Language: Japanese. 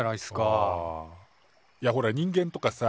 ああいやほら人間とかさ